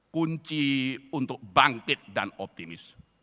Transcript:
kunci untuk bangkit dan optimis